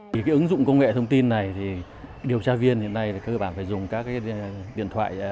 vì cái ứng dụng công nghệ thông tin này thì điều tra viên hiện nay các bạn phải dùng các cái điện thoại